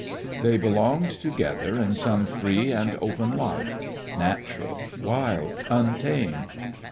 They belonged together in some free and open life, natural, wild, untamed.